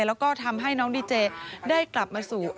แล้วก็ทำให้น้องดีเจได้กลับมาสู่